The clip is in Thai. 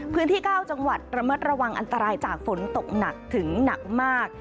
พื้นที่เก้าจังหวัดระเมิดระวังอันตรายจากฝนตกหนักถึงหนักมาก